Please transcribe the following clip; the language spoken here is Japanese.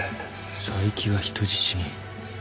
佐伯が人質に。